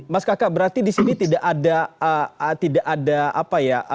mas kakak berarti disini tidak ada tidak ada apa ya bisa kita katakan sebagai pelanggaran pelanggaran yang dilakukan